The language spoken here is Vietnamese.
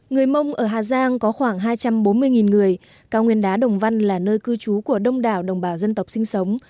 người mông ở hà giang có khoảng hai trăm bốn mươi người cao nguyên đá đồng văn là nơi cư trú của đông đảo đồng bào dân tộc sinh sống